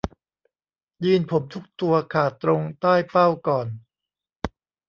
ยีนส์ผมทุกตัวขาดตรงใต้เป้าก่อน